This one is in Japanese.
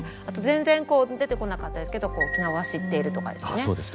あと全然出てこなかったですけど沖縄を知っているとかですね。